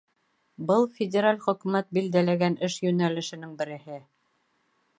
Был — федераль хөкүмәт билдәләгән эш йүнәлешенең береһе.